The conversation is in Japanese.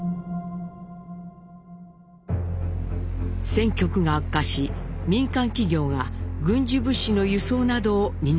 戦局が悪化し民間企業が軍需物資の輸送などを担わされたのです。